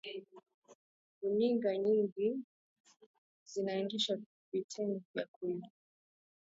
runinga nyingi zinaendesha vitendo vya kuigiza